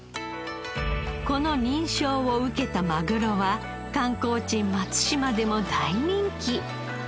この認証を受けたマグロは観光地松島でも大人気。